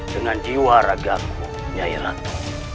dengan jiwa ragaku nyai ratu